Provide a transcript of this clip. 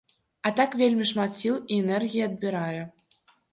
А так вельмі шмат сіл і энергіі адбірае.